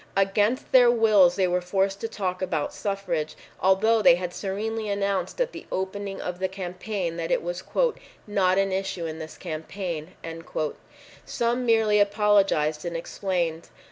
Against their wills they were forced to talk about suffrage, although they had serenely announced at the opening of the campaign that it was "not an issue in this campaign." Some merely apologized and explained.